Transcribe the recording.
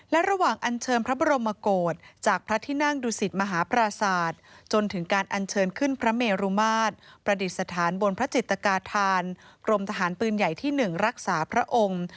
และระหว่างอันเชิญพระบรมโกรธจากพระที่นั่งดูสิตมหาปราศาสตร์จนถึงการอัญเชิญขึ้นพระเมรุมาตรประดิษฐานบนพระจิตกาธานกรมทหารปืนใหญ่ที่๑รักษาพระองค์